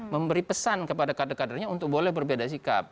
memberi pesan kepada kader kadernya untuk boleh berbeda sikap